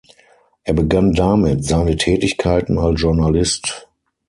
Er begann damit seine Tätigkeiten als Journalist.